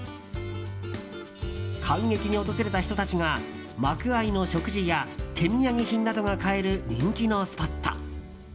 観劇に訪れた人たちが幕間の食事や手土産品などが買える人気のスポット。